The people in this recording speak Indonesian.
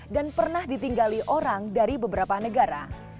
dan pernah ditinggali orang dari beberapa negara